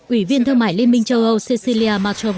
ủy viên thương mại liên minh châu âu cecilia matrom